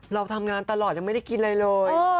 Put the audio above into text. เราทำงานตลอดยังไม่ได้กินอะไรเลย